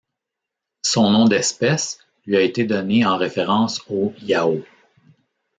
Son nom d'espèce lui a été donné en référence aux Yao.